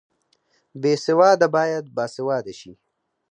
بې سواده باید باسواده شي